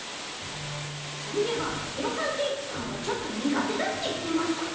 そういえばセロハンテープさんはちょっとにがてだっていってました。